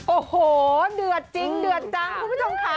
โอ้โหเดือดจริงเดือดจังคุณผู้ชมค่ะ